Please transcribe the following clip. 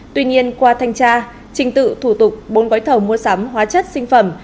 tuy nhiên qua thanh tra trình tự thủ tục bốn gói thẩu mua sám hóa chất sinh phẩm